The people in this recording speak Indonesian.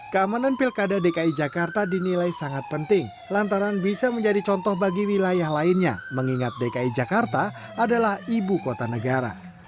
keamanan pilkada dki jakarta dinilai sangat penting lantaran bisa menjadi contoh bagi wilayah lainnya mengingat dki jakarta adalah ibu kota negara